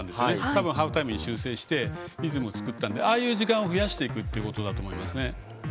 多分ハーフタイムに修正してリズムを作ったのでああいう時間を増やしていくことだと思いますね。